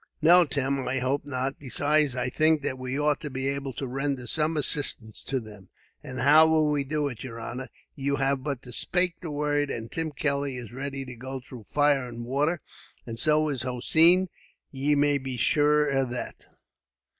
"No, Tim, I hope not. Besides, I think that we ought to be able to render some assistance to them." "And how will we do it, yer honor? You have but to spake the word, and Tim Kelly is ready to go through fire and water; and so is Hossein. Ye may be shure of that."